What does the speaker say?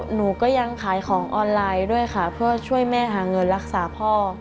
หนูก็ยังขายของออนไลน์ด้วยค่ะเพื่อช่วยแม่หาเงินรักษาพ่อ